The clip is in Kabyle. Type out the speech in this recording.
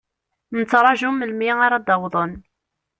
Nettṛaju melmi ara d-awḍen.